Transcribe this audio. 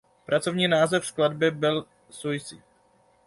Pracovní název skladby byl "Suicide".